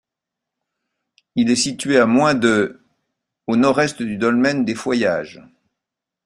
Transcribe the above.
Il est situé à moins de au nord-est du dolmen des Fouaillages.